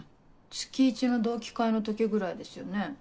月１の同期会の時ぐらいですよね。